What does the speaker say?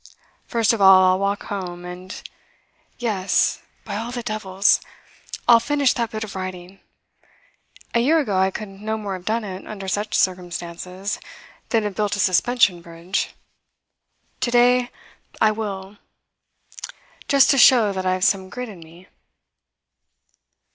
First of all I'll walk home, and yes, by all the devils! I'll finish that bit of writing. A year ago I could no more have done it, under such circumstances, than have built a suspension bridge. To day I will just to show that I've some grit in me.